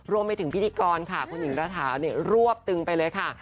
รวมไปถึงพิธีกรค่ะคุณหญิงระถาเนี่ยรวบตึงไปเลยค่ะ